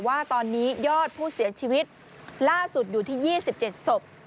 ว่าตอนนี้ยอดผู้เสียชีวิตล่าสุดอยู่ที่๒๗ศพ